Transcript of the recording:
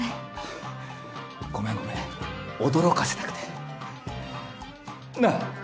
あぁごめんごめん驚かせたくて。なぁ。